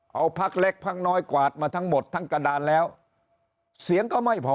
เอาพักเล็กพักน้อยกวาดมาทั้งหมดทั้งกระดานแล้วเสียงก็ไม่พอ